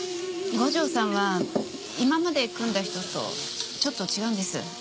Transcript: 五条さんは今まで組んだ人とちょっと違うんです。